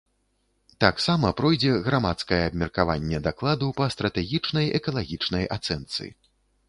Таксама пройдзе грамадскае абмеркаванне дакладу па стратэгічнай экалагічнай ацэнцы.